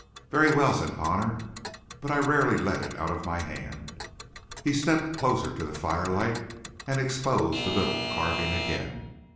"Very well," said Connor, "but I rarely let it out of my hand." He stepped closer to the firelight and exposed the little carving again.